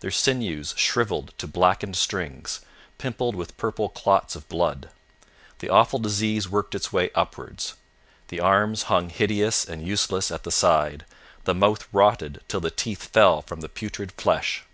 Their sinews shrivelled to blackened strings, pimpled with purple clots of blood. The awful disease worked its way upwards. The arms hung hideous and useless at the side, the mouth rotted till the teeth fell from the putrid flesh.